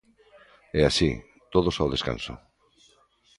E así, todos ao descanso.